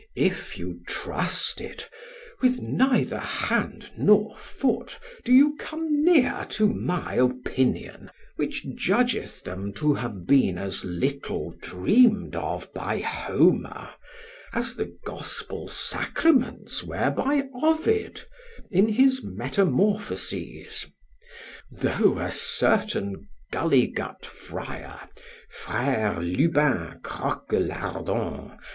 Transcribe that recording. If you trust it, with neither hand nor foot do you come near to my opinion, which judgeth them to have been as little dreamed of by Homer, as the Gospel sacraments were by Ovid in his Metamorphoses, though a certain gulligut friar (Frere Lubin croquelardon.)